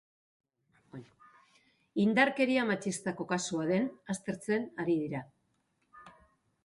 Indarkeria matxistako kasua den aztertzen ari dira.